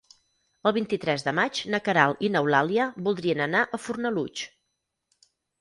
El vint-i-tres de maig na Queralt i n'Eulàlia voldrien anar a Fornalutx.